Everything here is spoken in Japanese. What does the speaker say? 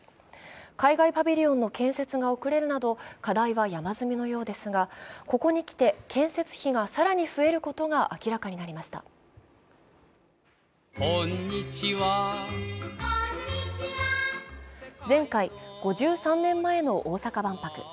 海外パビリオンの建設が遅れるなど課題は山積みのようですが、ここにきて建設費が更に増えることが明らかになりました前回、５３年前の大阪万博。